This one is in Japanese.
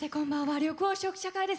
緑黄色社会です。